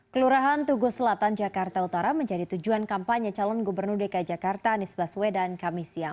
kelurahan tugu selatan jakarta utara menjadi tujuan kampanye calon gubernur dki jakarta anies baswedan kami siang